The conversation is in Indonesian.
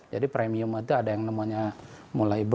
jadi premium itu ada yang namanya mulai berubah